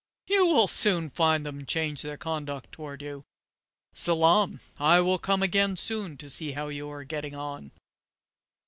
You will soon find them change their conduct toward you. Salaam, I will come again soon to see how you are getting on."